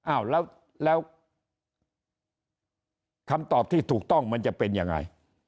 อ้าวแล้วคำตอบที่ถูกต้องมันจะเป็นยังไง